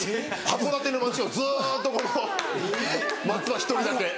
函館の街をずっと松葉１人だけ。